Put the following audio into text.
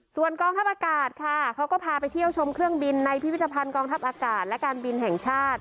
ส่วนกองทัพอากาศค่ะเขาก็พาไปเที่ยวชมเครื่องบินในพิพิธภัณฑ์กองทัพอากาศและการบินแห่งชาติ